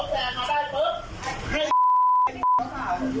พ่อแม่สั่งสอนดีไหมถามเขาหน่อยสิ